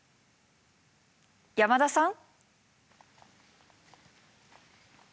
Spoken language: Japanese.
山田さん？